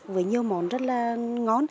với nhiều món rất là ngon